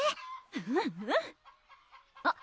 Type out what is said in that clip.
うんうんあっ